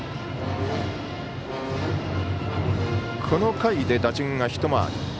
この回で打順は１回り。